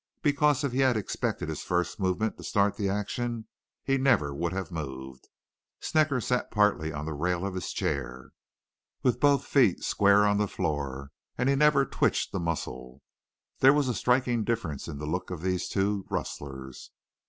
Because if he had expected his first movement to start the action he never would have moved. Snecker sat partly on the rail of his chair, with both feet square on the floor, and he never twitched a muscle. There was a striking difference in the looks of these two rustlers.